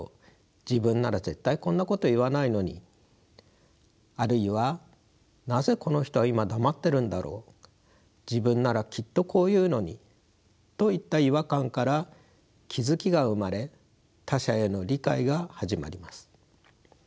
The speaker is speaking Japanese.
自分なら絶対こんなこと言わないのにあるいはなぜこの人は今黙っているのだろう自分ならきっとこう言うのにといった違和感から気付きが生まれ他者への理解が始まります。